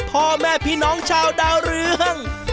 พ่อแม่พี่น้องชาวดาวเรือง